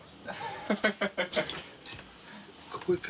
ハハハ